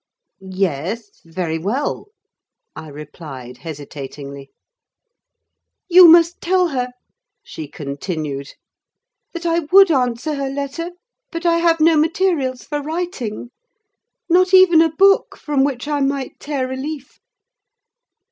"Yes, very well," I replied, hesitatingly. "You must tell her," she continued, "that I would answer her letter, but I have no materials for writing: not even a book from which I might tear a leaf."